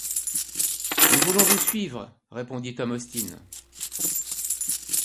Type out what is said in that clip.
Nous voulons vous suivre, répondit Tom Austin.